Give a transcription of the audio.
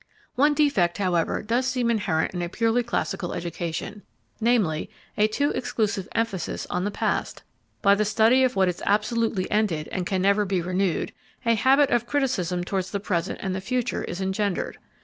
One defect, however, does seem inherent in a purely classical education namely, a too exclusive emphasis on the past. By the study of what is absolutely ended and can never be renewed, a habit of criticism towards the present and the future is engendered.